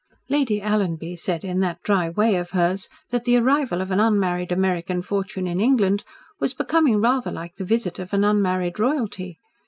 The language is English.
"Lady Alanby said in that dry way of hers that the arrival of an unmarried American fortune in England was becoming rather like the visit of an unmarried royalty.